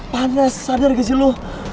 panas sadar gak sih lo